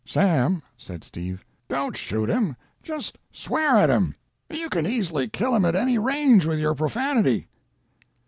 "'Sam,' said Steve, 'don't shoot him. Just swear at him. You can easily kill him at any range with your profanity.'